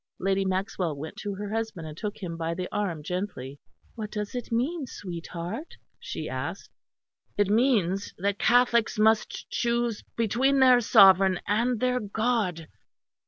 Lady Maxwell went to her husband and took him by the arm gently. "What does it mean, sweetheart?" she asked. "It means that Catholics must choose between their sovereign and their God."